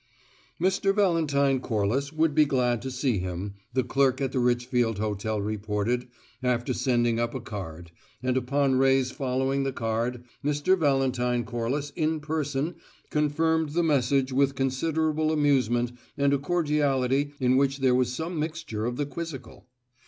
Mr. Valentine Corliss would be glad to see him, the clerk at the Richfield Hotel reported, after sending up a card, and upon Ray's following the card, Mr. Valentine Corliss in person confirmed the message with considerable amusement and a cordiality in which there was some mixture of the quizzical.